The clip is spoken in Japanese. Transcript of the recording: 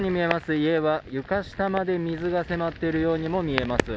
家は床下まで水が迫っているように見えます。